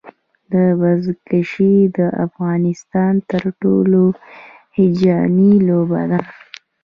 بزکشي د افغانستان تر ټولو هیجاني لوبه ده.